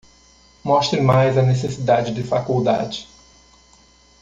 Mostre mais a necessidade de faculdade.